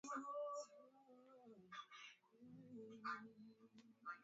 ni Buryatia Tuva na Kalmykia Dini za